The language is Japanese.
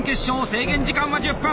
制限時間は１０分。